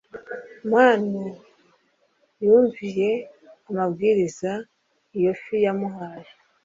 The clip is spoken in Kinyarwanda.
manu yumviye amabwiriza iyo fi yamuhaye